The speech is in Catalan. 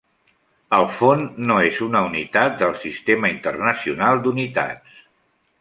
El fon no és una unitat del Sistema Internacional d'Unitats.